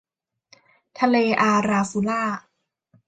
ทะเลอาราฟูรา